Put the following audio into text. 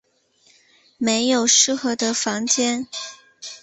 没有适合的房间